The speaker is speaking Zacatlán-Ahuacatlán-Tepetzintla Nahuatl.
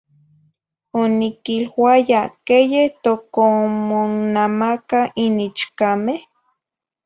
Oniquihluaya “Queye tocomonnamaca in ichcame?"